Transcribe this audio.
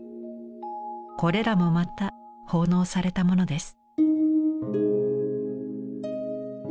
これらもまた奉納されたものです。